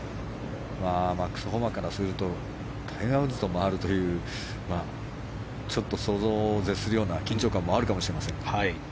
マックス・ホマからするとタイガー・ウッズと回るというちょっと想像を絶するような緊張感もあるかもしれません。